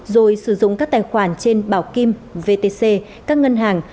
rồi sử dụng các tài khoản trên bảo kim vtc các ngân hàng